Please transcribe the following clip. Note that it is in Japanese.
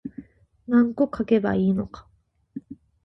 何個書けばいいのか